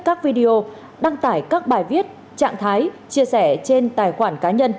các video đăng tải các bài viết trạng thái chia sẻ trên tài khoản cá nhân